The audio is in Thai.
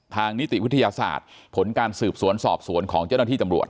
นิติวิทยาศาสตร์ผลการสืบสวนสอบสวนของเจ้าหน้าที่ตำรวจ